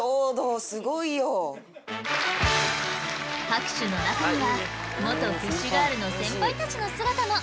拍手の中には元フィッシュガールの先輩たちの姿も。